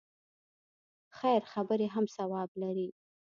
خیر خبرې هم ثواب لري.